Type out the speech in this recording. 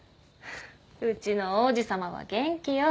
うちの王子さまは元気よ。